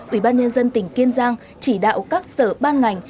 ủy ban nhân dân tỉnh kiên giang chỉ đạo các sở ban ngành